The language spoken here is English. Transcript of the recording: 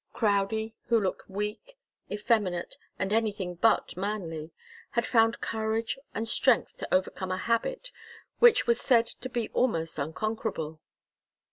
Crowdie, who looked weak, effeminate and anything but manly, had found courage and strength to overcome a habit which was said to be almost unconquerable.